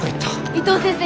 伊藤先生